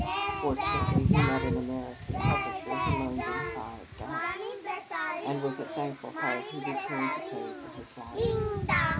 Fortunately he met an American publisher, who loaned him five dollars, and with a thankful heart he returned to pay for his lodging.